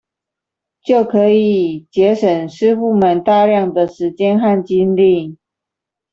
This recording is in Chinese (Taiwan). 就可以節省師傅們大量的時間和精力